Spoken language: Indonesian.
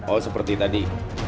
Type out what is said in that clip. oh seperti tadi